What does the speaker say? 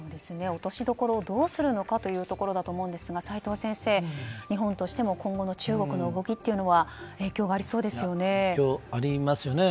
落としどころをどうするのかということだと思うんですが齋藤先生、日本としても今後の中国の動きは影響がありそうですね。